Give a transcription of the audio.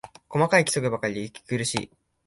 細かい規則ばかりで息苦しい